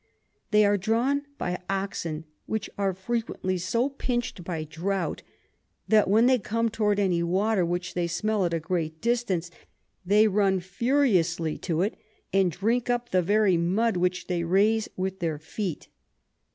They are drawn by Oxen, which are frequently so pinch'd by Drought, that when they come towards any Water, which they smell at a great distance, they run furiously to it, and drink up the very Mud which they raise with their Feet.